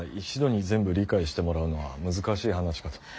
一度に全部理解してもらうのは難しい話かと。